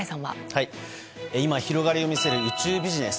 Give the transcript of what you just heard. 今、広がりを見せる宇宙ビジネス。